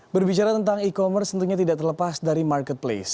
berbicara tentang e commerce tentunya tidak terlepas dari marketplace